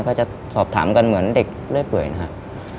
ก็จะสอบถามกันเหมือนเด็กเรื่อยเปื่อยนะครับ